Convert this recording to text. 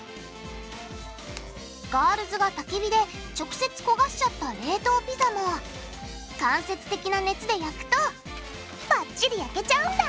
ガールズがたき火で直接焦がしちゃった冷凍ピザも間接的な熱で焼くとバッチリ焼けちゃうんだ！